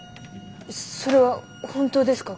それは本当ですか？